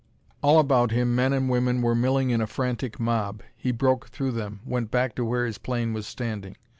All about him men and women were milling in a frantic mob. He broke through them, went back to where his plane was standing.